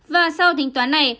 và sau tính toán này